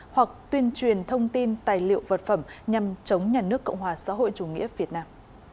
hoặc tuyên truyền thông tin tài liệu vật phẩm nhằm chống nhà nước cộng hòa xã hội chủ nghĩa việt nam